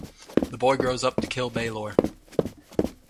The boy grows up to kill Balor.